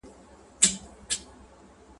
نوموړې وايي موندنې د پخوانیو فکرونو خلاف دي.